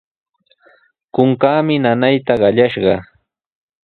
Kunkaami nanayta qallashqa.